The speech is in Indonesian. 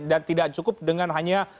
dan tidak cukup dengan hanya